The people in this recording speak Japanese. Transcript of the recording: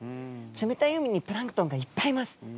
冷たい海にプランクトンがいっぱいいます。